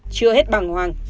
chưa hết bàng hoàng